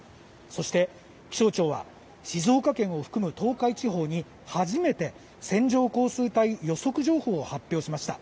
そして、気象庁は静岡県を含む東海地方に初めて線状降水帯予測情報を発表しました。